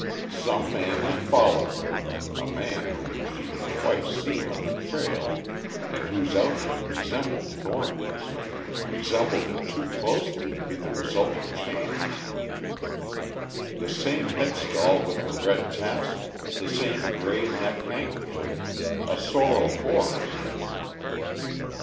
Some man had followed her, a man whom she had twice seen on the trail and whose outfit resembled Thornton's, resembled it too closely to be the result of chance! The same headstall with the red tassel, the same grey neck handkerchief, a sorrel horse....